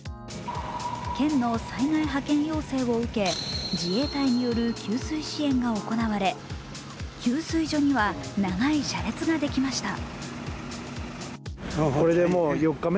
県の災害派遣要請を受け自衛隊による給水支援が行われ給水所には長い車列ができました。